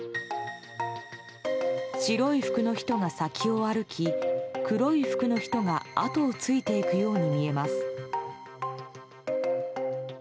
白い服の人が先を歩き黒い服の人があとをついていくように見えます。